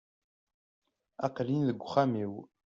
Aqel-in deg uxxam-iw.